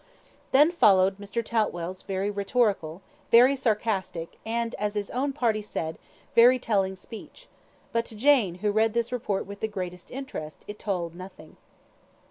Then followed Mr. Toutwell's very rhetorical, very sarcastic, and, as his own party said, very telling speech; but to Jane, who read this report with the greatest interest, it told nothing.